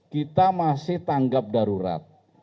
kita masih tanggap darurat